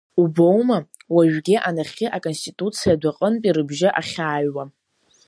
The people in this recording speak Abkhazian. Убома, уажәгьы анахьхьи Аконституциа адәаҟынтәи рыбжьы ахьааҩуа.